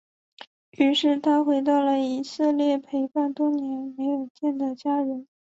于是他回到以色列陪伴多年没有见面的家人。